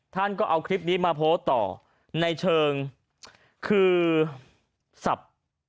ท่านก็เอาคลิปนี้มาโพสต์ต่อในเชิงคือสับ